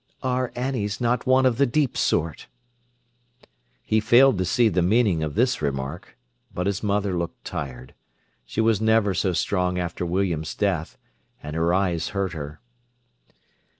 "Our Annie's not one of the deep sort." He failed to see the meaning of this remark. But his mother looked tired. She was never so strong after William's death; and her eyes hurt her.